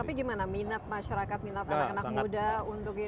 tapi gimana minat masyarakat minat anak anak muda untuk itu